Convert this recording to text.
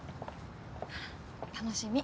楽しみ。